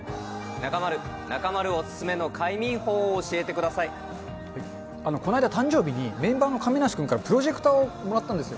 中丸、中丸お勧めの快眠法をこの間、誕生日にメンバーの亀梨君からプロジェクターをもらったんですよ。